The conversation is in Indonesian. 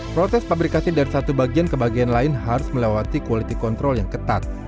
proses pabrikasi dari satu bagian ke bagian lain harus melewati quality control yang ketat